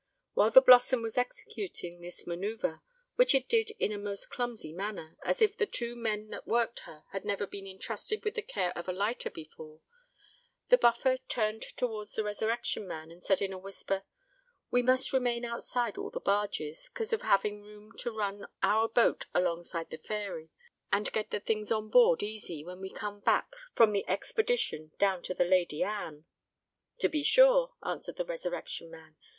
While the Blossom was executing this manœuvre, which it did in a most clumsy manner, as if the two men that worked her had never been entrusted with the care of a lighter before, the Buffer turned towards the Resurrection Man, and said in a whisper, "We must remain outside all the barges, 'cause of having room to run our boat alongside the Fairy and get the things on board easy, when we come back from the expedition down to the Lady Anne." "To be sure," answered the Resurrection Man.